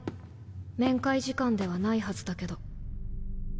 面会時間ではないはずだけど。